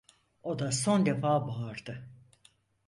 O da son defa bağırdı.